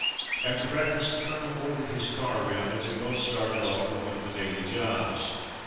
After breakfast the colonel ordered his car round, and we both started off for one of the daily jobs.